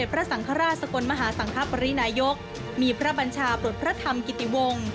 พระสังฆราชสกลมหาสังคปรินายกมีพระบัญชาปลดพระธรรมกิติวงศ์